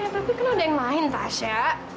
tapi kenapa ada yang lain tasya